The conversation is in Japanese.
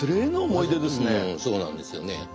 うんそうなんですよね。